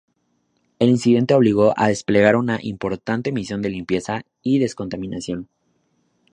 El incidente obligó a desplegar una importante misión de limpieza y descontaminación.